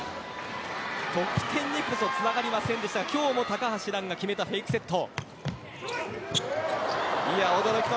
得点にこそつながりませんでしたが今日も高橋藍が決めたフェイクセット。